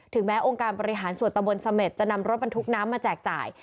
แม้องค์การบริหารส่วนตะบนเสม็ดจะนำรถบรรทุกน้ำมาแจกจ่าย